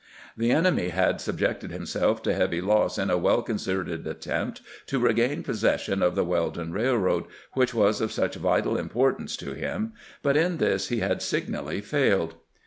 The enemy had subjected himself to heavy loss in a weU eoncerted attempt to regain possession of the Wel don Raih'oad, which was of such vital importance to him, but in this he had signally failed.